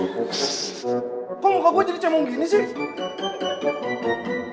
kok muka gue jadi cemong gini sih